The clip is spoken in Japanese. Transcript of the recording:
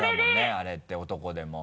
あれって男でも。